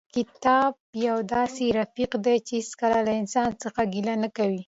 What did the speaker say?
کتاب یو داسې رفیق دی چې هېڅکله له انسان څخه ګیله نه کوي.